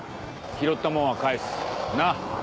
拾ったもんは返すな？